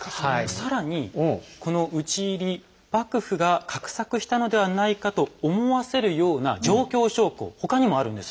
更にこの討ち入り幕府が画策したのではないかと思わせるような状況証拠他にもあるんです。